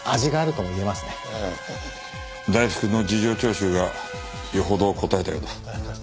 大福の事情聴取がよほどこたえたようだ。